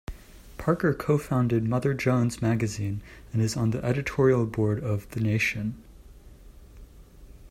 Parker co-founded "Mother Jones" magazine and is on the editorial board of "The Nation".